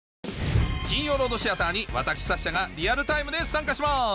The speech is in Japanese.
金曜ロードシアターに私サッシャがリアルタイムで参加します！